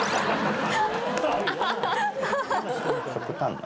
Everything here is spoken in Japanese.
極端な。